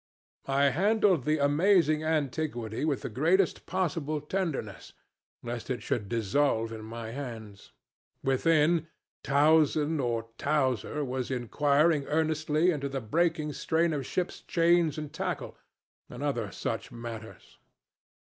I handled this amazing antiquity with the greatest possible tenderness, lest it should dissolve in my hands. Within, Towson or Towser was inquiring earnestly into the breaking strain of ships' chains and tackle, and other such matters.